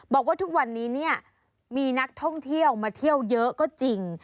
บอกว่าทุกวันนี้เนี่ยมีนักท่องเที่ยวมาเที่ยวเยอะก็จริง